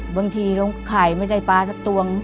บางทีเราขายไม่ได้ปลาสักตวง